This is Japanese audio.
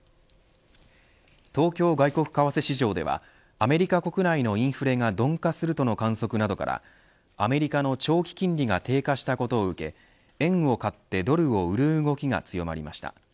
東京外国為替市場ではアメリカ国内のインフレが鈍化するとの観測などからアメリカの長期金利が低下したことを受け円を買ってドルを売る動きが強まりました。